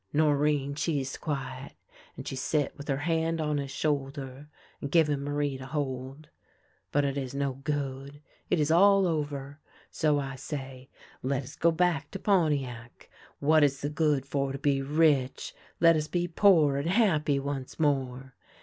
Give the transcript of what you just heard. Norinne she is quiet, and she sit with her hand on his shoulder, and give him Marie to hold. " But it is no good ; it is all over. So I say :' Let us go back to Pontiac. What is the good for to be rich ? Let us be poor and happy once more.'